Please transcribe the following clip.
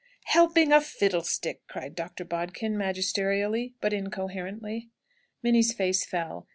"Helping a fiddlestick!" cried Dr. Bodkin magisterially, but incoherently. Minnie's face fell.